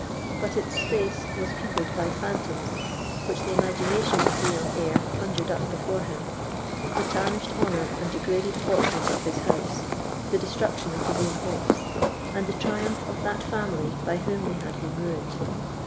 But its space was peopled by phantoms which the imagination of the young heir conjured up before him—the tarnished honour and degraded fortunes of his house, the destruction of his own hopes, and the triumph of that family by whom they had been ruined.